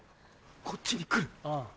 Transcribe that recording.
こっちに来る。